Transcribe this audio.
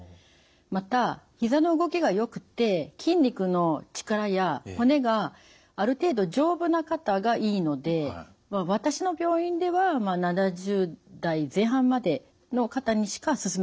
またひざの動きがよくて筋肉の力や骨がある程度丈夫な方がいいので私の病院では７０代前半までの方にしか勧めていません。